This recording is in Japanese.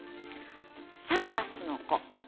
「サーカスの子」